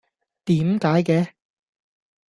點解嘅？